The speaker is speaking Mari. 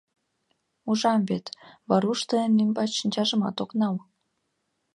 Ужам вет, Варуш тыйын ӱмбач шинчажымат ок нал...